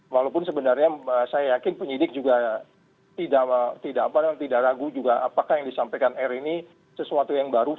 walaupun sebenarnya saya yakin penyidik juga tidak ragu juga apakah yang disampaikan r ini sesuatu yang baru